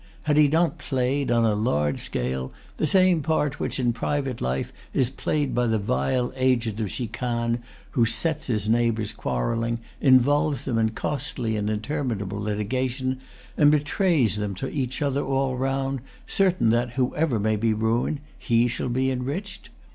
Had he not played, on a large scale, the same part which, in private life, is played by the vile agent of chicane who sets his neighbors quarrelling, involves them in costly and interminable litigation, and betrays them to each other all round, certain that, whoever may be ruined, he shall be enriched?